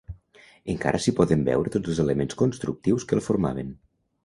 Encara s'hi poden veure tots els elements constructius que el formaven.